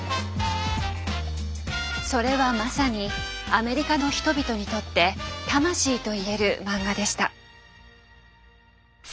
それはまさにアメリカの人々にとって魂といえるマンガでした。